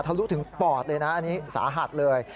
ลุถึงปอดเลยนะอันนี้สาหัสเลย